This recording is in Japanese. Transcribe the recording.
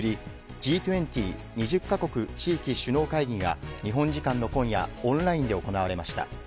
Ｇ２０・２０か国地域首脳会議が日本時間の今夜オンラインで行われました。